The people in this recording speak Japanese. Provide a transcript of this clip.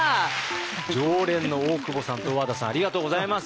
常連の大久保さんと小和田さんありがとうございます。